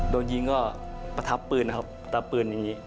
โดนยิงก็ประทับปืนนะครับตะปืนอย่างนี้